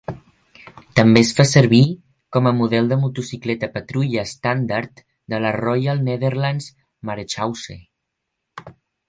També es fa servir como a model de motocicleta patrulla estàndard de la Royal Netherlands Marechaussee.